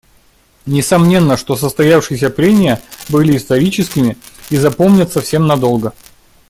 Несомненно, что состоявшиеся прения были историческими и запомнятся всем надолго.